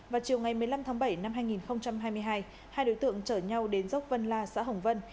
vào chiều ngày một mươi năm tháng bảy năm hai nghìn hai mươi hai hai đối tượng chở nhau đến dốc vân la xã hồng vân